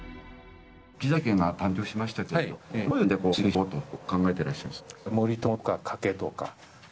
岸田政権が誕生しましたけどどういう点で追及していこうと考えてらっしゃいます？